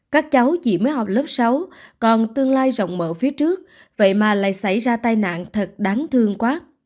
các cháu chỉ mới học lớp sáu còn tương lai rộng mở phía trước vậy mà lại xảy ra tai nạn thật đáng thương quá